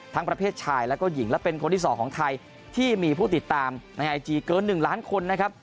ประเภทชายแล้วก็หญิงและเป็นคนที่๒ของไทยที่มีผู้ติดตามในไอจีเกิน๑ล้านคนนะครับ